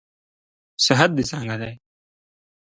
صحت دې څنګه دئ؟